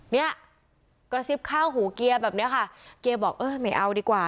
เนี่ยกระซิบข้าวหูเกียร์แบบเนี้ยค่ะเกียร์บอกเออไม่เอาดีกว่า